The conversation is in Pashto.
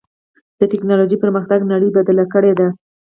د ټکنالوجۍ پرمختګ نړۍ بدلې کړې ده.